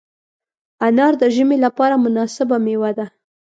انار د ژمي لپاره مناسبه مېوه ده.